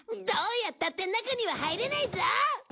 どうやったって中には入れないぞ！